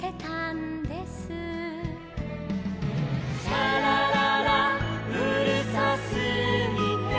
「シャラララうるさすぎて」